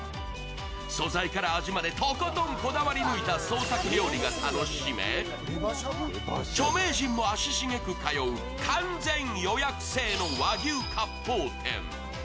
素材から味までとことんこだわり抜いた創作料理が楽しめ、著名人も足しげく通う完全予約制の和牛かっぽう店。